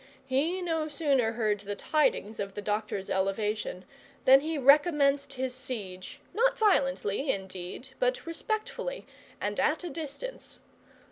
He no sooner heard the tidings of the doctor's elevation, than he recommenced his siege, not violently, indeed, but respectfully, and at a distance.